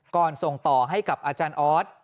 ส่งต่อให้กับอาจารย์ออส